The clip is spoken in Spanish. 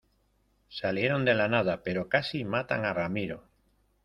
salieron de la nada, pero casi matan a Ramiro.